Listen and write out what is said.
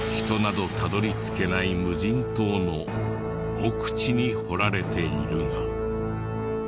人などたどり着けない無人島の奥地に彫られているが。